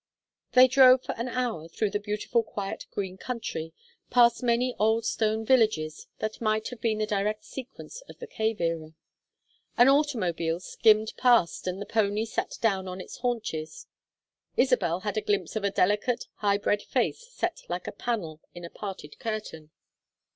They drove for an hour through the beautiful quiet green country, past many old stone villages that might have been the direct sequence of the cave era. An automobile skimmed past and the pony sat down on its haunches. Isabel had a glimpse of a delicate high bred face set like a panel in a parted curtain.